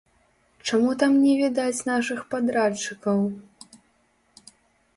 Чаму там не відаць нашых падрадчыкаў?